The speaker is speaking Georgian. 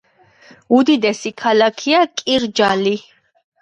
უდიდესი ქალაქია კირჯალი.